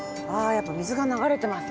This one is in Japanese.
やっぱ水が流れてますね。